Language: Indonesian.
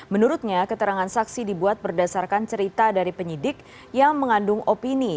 menurutnya keterangan saksi dibuat berdasarkan cerita dari penyidik yang mengandung opini